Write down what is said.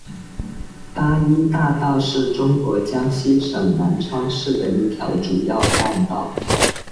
八一大道是中国江西省南昌市的一条主要干道。